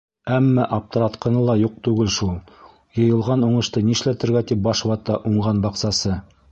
Әммә аптыратҡаны ла юҡ түгел шул: йыйылған уңышты нишләтергә тип баш вата уңған баҡсасы.